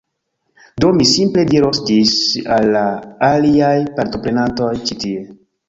Do, mi simple diros ĝis al la aliaj partoprenantoj ĉi tie